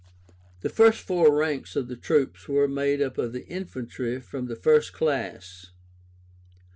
The first four ranks of the troops were made up of the infantry from the first class.